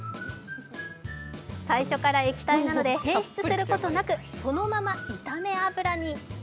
最初から液体なので変質することなくそのまま炒め油に。